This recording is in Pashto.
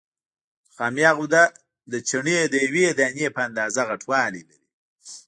نخامیه غده د چڼې د یوې دانې په اندازه غټوالی لري.